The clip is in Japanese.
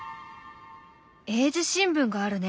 英字新聞があるね。